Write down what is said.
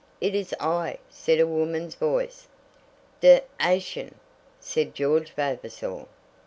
"It is I," said a woman's voice. "D ation!" said George Vavasor.